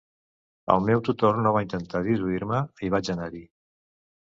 El meu tutor no va intentar dissuadir-me, i vaig anar-hi.